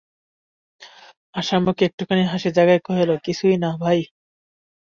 আশা মুখে একটুখানি হাসি জাগাইয়া কহিল, কিছুই না, ভাই।